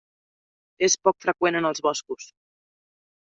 És poc freqüent en els boscos.